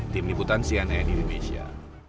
tim liputan sianen indonesia